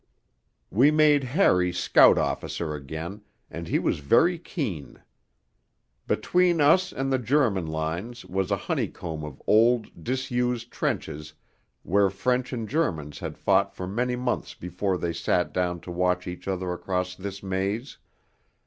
We made Harry scout officer again, and he was very keen. Between us and the German lines was a honeycomb of old disused trenches where French and Germans had fought for many months before they sat down to watch each other across this maze.